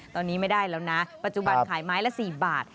ตอนนี้ไม่ได้แล้วนะปัจจุบันขายไม้ละ๔บาท